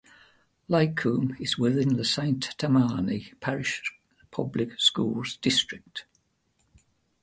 Lacombe is within the Saint Tammany Parish Public Schools district.